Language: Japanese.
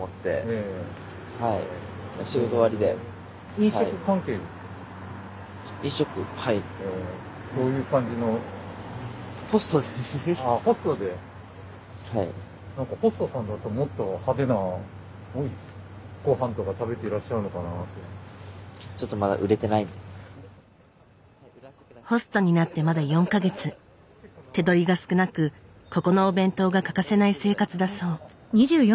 手取りが少なくここのお弁当が欠かせない生活だそう。